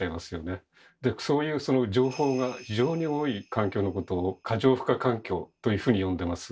そういう情報が非常に多い環境のことを「過剰負荷環境」というふうに呼んでます。